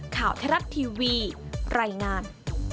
ข่าวเทราะทีวีรายงาน